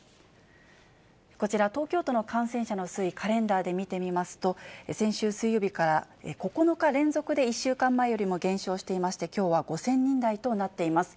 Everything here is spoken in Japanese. こちら、東京都の感染者の推移、カレンダーで見てみますと、先週水曜日から９日連続で１週間前よりも減少していまして、きょうは５０００人台となっています。